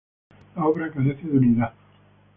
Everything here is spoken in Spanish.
La obra carece de unidad.